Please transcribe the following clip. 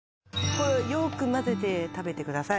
これはよくまぜて食べてください